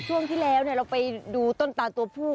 ช่วงที่แล้วเราไปดูต้นตาตัวผู้